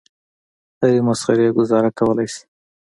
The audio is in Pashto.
هرې مسخرې ګوزاره کولای شي.